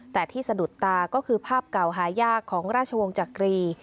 แต่ที่สะดุดตาก็คือภาพเก่าหายากของราชวงศ์จักรี